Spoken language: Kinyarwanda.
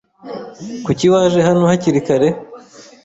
Kuki waje hano hakiri kare?